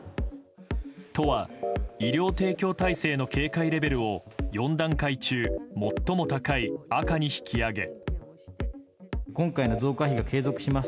都は医療提供体制の警戒レベルを４段階中最も高い赤に引き上げ。